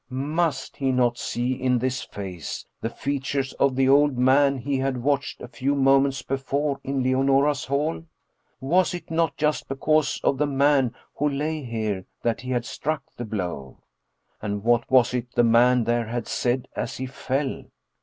Must he not see in this face the features of the old man he had watched a few moments before in Leonora's hall ? Was it not just because of the man who lay here that he had struck the blow? And what was it that the man there had said as he fell?